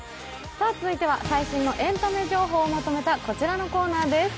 続いては最新のエンタメ情報をまとめたこちらのコーナーです。